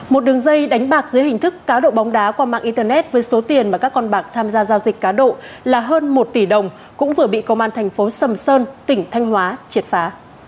một đường dây đánh bạc dưới hình thức cá độ bóng đá qua mạng internet với số tiền mà các con bạc tham gia giao dịch cá độ là hơn một tỷ đồng cũng vừa bị công an thành phố sầm sơn tỉnh thanh hóa triệt phá